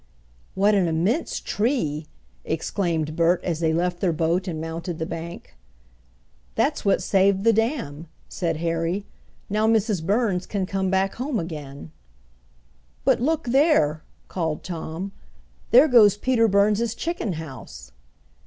"What an immense tree!" exclaimed Bert, as they left their boat and mounted the bank. "That's what saved the dam!" said Harry. "Now Mrs. Burns can come back home again." "But look there!" called Tom. "There goes Peter Burns' chicken house."